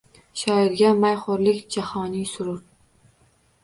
Shoirga mayxo’rlik – jahoniy surur